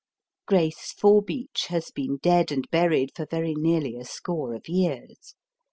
* Grace Forbeach has been dead and buried for very nearly a score of years.